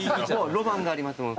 ロマンがありますもん。